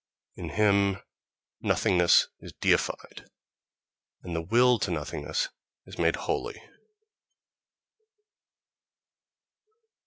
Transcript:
In him nothingness is deified, and the will to nothingness is made holy!...